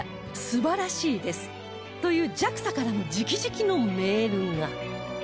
素晴らしいです！」という ＪＡＸＡ からの直々のメールが